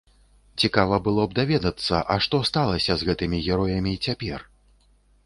Цікава было б даведацца, а што сталася з гэтымі героямі цяпер?